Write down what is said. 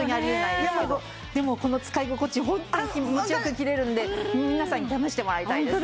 でもこの使い心地ホントに気持ち良く切れるので皆さんに試してもらいたいです。